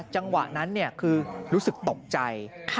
จังหวะนั้นคือรู้สึกตกใจ